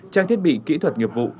trang thiết bị kỹ thuật nghiệp vụ